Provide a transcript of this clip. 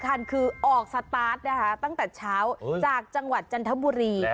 แต่เช้าจากจังหวัดจันทบุรี